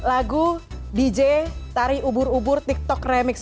lagu dj tari ubur ubur tiktok remix